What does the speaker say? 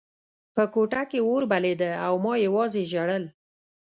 په کوټه کې اور بلېده او ما یوازې ژړل